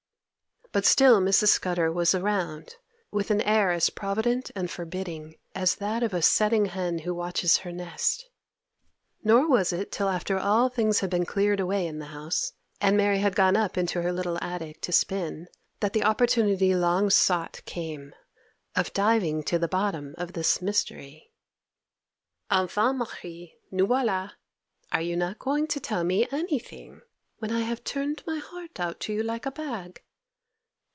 But still Mrs. Scudder was around, with an air as provident and forbidding as that of a setting hen who watches her nest; nor was it till after all things had been cleared away in the house, and Mary had gone up into her little attic to spin, that the opportunity long sought came, of diving to the bottom of this mystery. 'Enfin, Marie, nous voilà! are you not going to tell me anything, when I have turned my heart out to you like a bag?